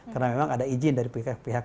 karena memang ada izin dari pihak pihak